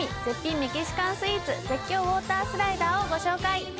絶品メキシカンスイーツ絶叫ウォータースライダーをご紹介